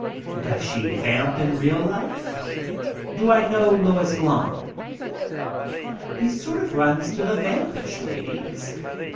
Does she "vamp" in real life? Do I know Louise Glaum? He sort of runs to the vampish ladies.